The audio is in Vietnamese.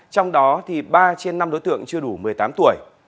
trong đó thì ba trên năm đối tượng chưa đủ một mươi tám tuổi